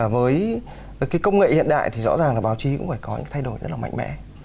với cái công nghệ hiện đại thì rõ ràng là báo chí cũng phải có những thay đổi rất là mạnh mẽ